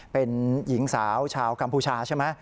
เป็นหญิงสาวชาวกัมพูชาใช่ไหม